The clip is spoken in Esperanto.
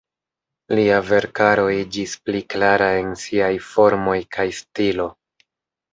Lia verkaro iĝis pli klara en siaj formoj kaj stilo.